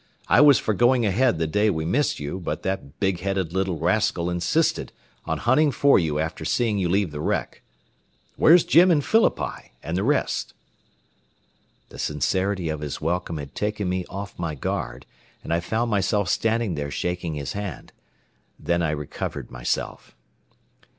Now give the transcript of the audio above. I was for going ahead the day we missed you, but that big headed little rascal insisted on hunting for you after seeing you leave the wreck. Where's Jim and Phillippi, and the rest?" The sincerity of his welcome had taken me off my guard, and I found myself standing there shaking his hand. Then I recovered myself.